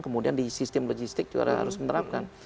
kemudian di sistem logistik juga harus menerapkan